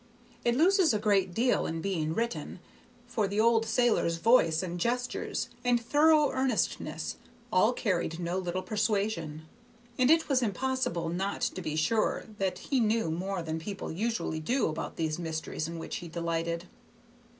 It loses a great deal in being written, for the old sailor's voice and gestures and thorough earnestness all carried no little persuasion. And it was impossible not to be sure that he knew more than people usually do about these mysteries in which he delighted.